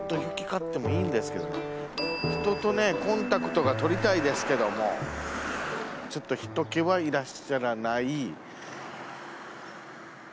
人とねコンタクトが取りたいですけどもちょっと人けはいらっしゃらない。